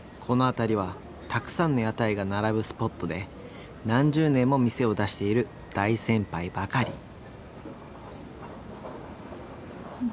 この辺りはたくさんの屋台が並ぶスポットで何十年も店を出している大先輩ばかり。